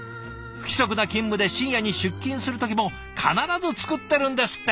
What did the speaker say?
不規則な勤務で深夜に出勤する時も必ず作ってるんですって。